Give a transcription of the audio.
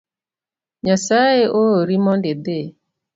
Nyasaye oori mondo idhi